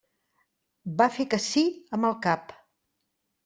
Va fer que sí amb el cap.